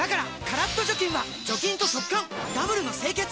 カラッと除菌は除菌と速乾ダブルの清潔！